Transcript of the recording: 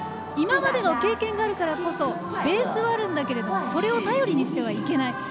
今までの経験があるからこそベースはあるんだけれどもそれを頼りにしてはいけない。